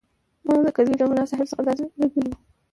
ما د کلي له ملاصاحب څخه داسې اورېدلي وو.